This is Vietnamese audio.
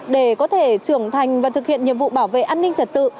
để có thể trưởng thành và thực hiện nhiệm vụ bảo vệ an ninh trật tự